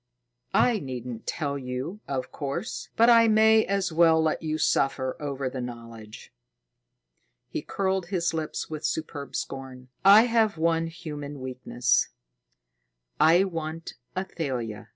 "I needn't tell you, of course, but I may as well let you suffer over the knowledge." He curled his lips with superb scorn. "I have one human weakness. I want Athalia."